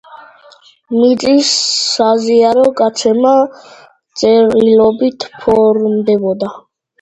მიწის საზიარო გაცემა წერილობით ფორმდებოდა.